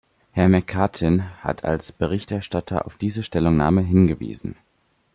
Herr McCartin hat als Berichterstatter auf diese Stellungnahme hingewiesen.